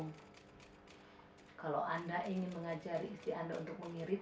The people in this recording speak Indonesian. jika anda ingin mengajari istri anda untuk mengirit